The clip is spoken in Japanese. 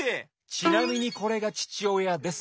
ちなみにこれがちちおやです。